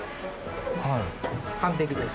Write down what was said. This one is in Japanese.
完璧です。